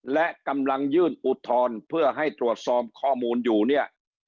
และกำลังยื่นอุทธรณ์เพื่อให้ตรวจสอบข้อมูลอยู่เนี่ย